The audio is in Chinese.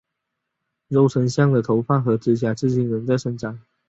肉身像的头发和指甲至今仍在生长。